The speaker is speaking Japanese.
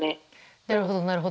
なるほど。